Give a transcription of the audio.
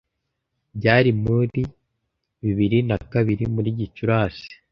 byari muri bibiri na kabiri muri Gicurasi